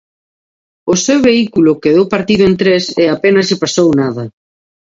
O seu vehículo quedou partido en tres e apenas lle pasou nada.